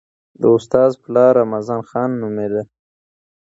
د استاد پلار رمضان خان نومېده.